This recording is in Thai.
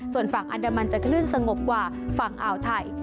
ส่วนฝั่งอันดามันจะคลื่นสงบกว่าฝั่งอ่าวไทย